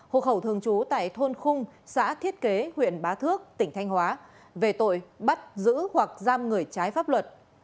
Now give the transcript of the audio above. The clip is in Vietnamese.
hộ khẩu thường trú tại thôn khung xã thiết kế huyện bá thước tỉnh thanh hóa về tội bắt giữ hoặc giam người trái pháp luật